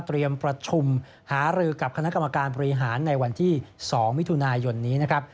ประชุมหารือกับคณะกรรมการบริหารในวันที่๒มิถุนายนนี้นะครับ